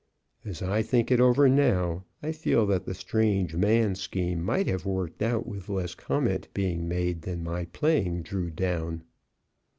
As I think it over now, I feel that the strange man scheme might have worked out with less comment being made than my playing drew down.